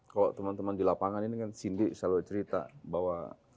kalau teman teman di lapangan ini kan cindy selalu cerita bahwa